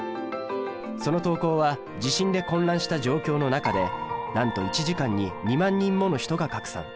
その投稿は地震で混乱した状況の中でなんと１時間に２万人もの人が拡散。